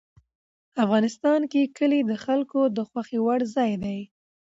افغانستان کې کلي د خلکو د خوښې وړ ځای دی.